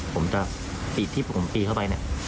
ผมจะปีกที่ผมตีเข้าไปเนี่ย